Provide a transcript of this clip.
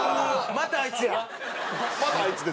またあいつです。